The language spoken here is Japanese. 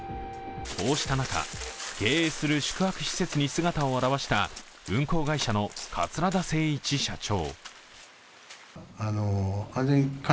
こうした中、経営する宿泊施設に姿を現した運航会社の桂田精一社長。